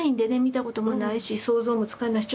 見たこともないし想像もつかないし。